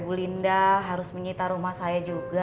b uminah husbandmu bingung